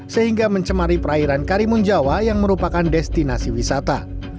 sehingga mencemari perairan karimun jawa yang merupakan destinasi wisata